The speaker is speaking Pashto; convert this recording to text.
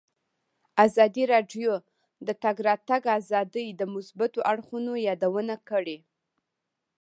ازادي راډیو د د تګ راتګ ازادي د مثبتو اړخونو یادونه کړې.